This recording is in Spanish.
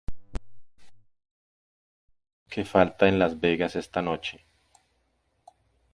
Hay una luz que falta en Las Vegas esta noche.